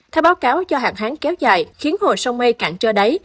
theo báo cáo do hạn hán kéo dài khiến hồ sông mây cạn trơ đáy